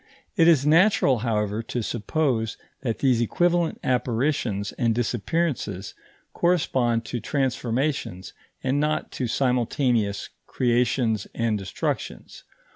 It is natural, however, to suppose that these equivalent apparitions and disappearances correspond to transformations and not to simultaneous creations and destructions.